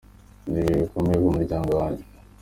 Ni ibihe bikomeye ku muryango wanjye.